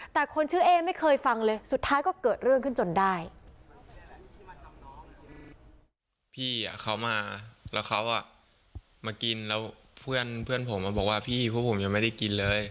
แต่คนชื่อเอ๊ไม่เคยฟังเลยสุดท้ายก็เกิดเรื่องขึ้นจนได้